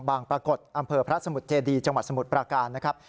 ปรากฏอำเภอพระสมุทรเจดีจังหวัดสมุทรปราการนะครับ